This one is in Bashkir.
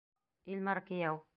Илмар кейәү!